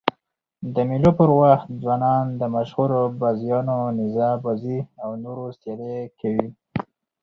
د مېلو پر وخت ځوانان د مشهورو بازيو: نیزه بازي او نورو سيالۍ کوي.